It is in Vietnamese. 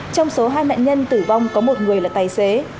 trong số hai nạn nhân tử vong có một người là tài xế